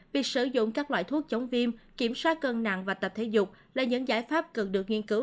việc sử dụng các loại thuốc chống viêm kiểm soát cân nặng và tập thể dục là những giải pháp cần được nghiên cứu